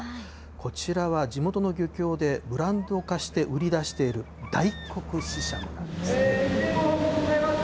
こちらは地元の漁協でブランド化して売り出している大黒ししゃもなんですね。